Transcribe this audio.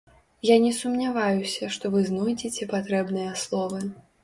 Я не сумняваюся, што вы знойдзеце патрэбныя словы.